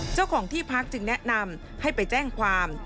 เจ้าของที่พักจึงแนะนำให้ไปแจ้งความ